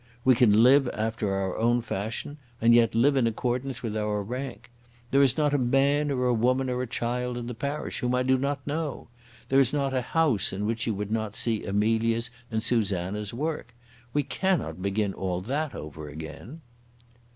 We can live after our own fashion, and yet live in accordance with our rank. There is not a man or a woman or a child in the parish whom I do not know. There is not a house in which you would not see Amelia's and Susanna's work. We cannot begin all that over again."